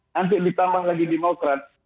nanti ditambah lagi demokrat